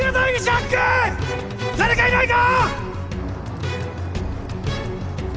誰かいないか！？